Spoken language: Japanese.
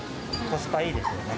コスパいいですよね。